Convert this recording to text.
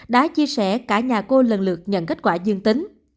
đã chia sẻ cả nhà cô lần lượt nhận kết quả dương tính